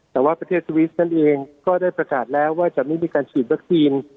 แต่ว่าประเทศสวิสนั่นเองก็ได้ประกาศแล้วว่าจะไม่มีการฉีดวัคซีน